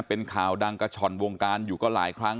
เป็นข่าวดังกระฉ่อนวงการอยู่ก็หลายครั้ง